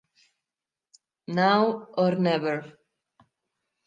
Now or Never